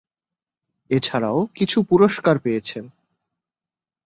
এছাড়াও কিছু পুরস্কার পেয়েছেন।